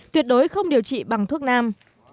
tuyệt đối không điều trị bằng thuốc nam